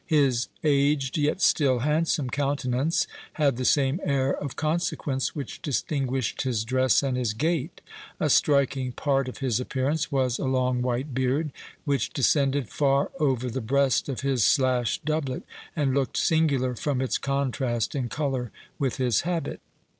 His aged, yet still handsome countenance, had the same air of consequence which distinguished his dress and his gait. A striking part of his appearance was a long white beard, which descended far over the breast of his slashed doublet, and looked singular from its contrast in colour with his habit.